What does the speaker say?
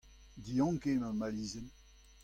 Diank eo ma malizenn.